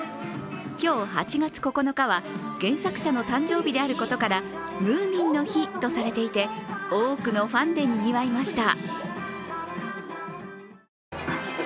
今日、８月９日は原作者の誕生日であることからムーミンの日とされていて、多くのファンでにぎわいました。